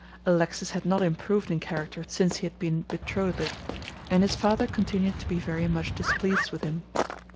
Alexis had not improved in character since he had been betrothed, and his father continued to be very much displeased with him.